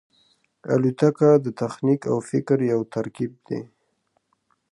الوتکه د تخنیک او فکر یو ترکیب دی.